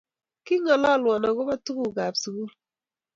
Kingalalwo akopa tugug ab sukul.